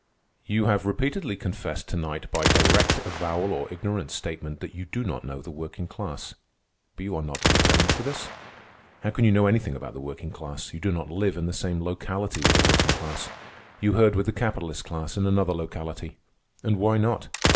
"You have repeatedly confessed to night, by direct avowal or ignorant statement, that you do not know the working class. But you are not to be blamed for this. How can you know anything about the working class? You do not live in the same locality with the working class. You herd with the capitalist class in another locality. And why not?